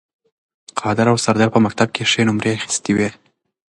قادر او سردار په مکتب کې ښې نمرې اخیستې وې